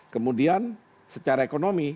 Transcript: kemudian secara ekonomi